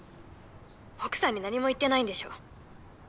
奥さんに何も言ってないんでしょ？